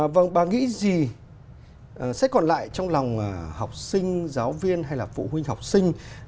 vâng bà nghĩ gì sẽ còn lại trong lòng học sinh giáo viên hay là phụ huynh học sinh